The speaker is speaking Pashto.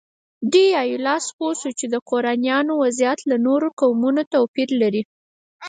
ډي ایولاس پوه شو چې د ګورانیانو وضعیت له نورو قومونو توپیر لري.